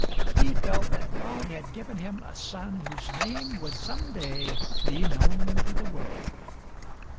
He felt that God had given him a son whose name would some day be known to the world.